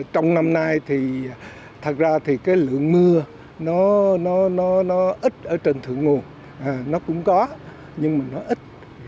trong năm nay lượng mưa ít ở trên thượng nguồn nó cũng có nhưng nó ít